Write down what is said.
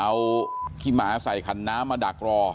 เอาขี้หมาใส่ขันน้ำมาดักรอ